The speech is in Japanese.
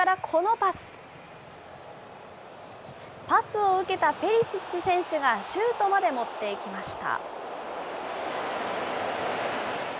パスを受けたペリシッチ選手がシュートまで持っていきました。